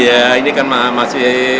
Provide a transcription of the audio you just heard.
ya ini kan masih